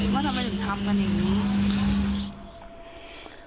ว่าทำไมถึงทำกันอย่างนี้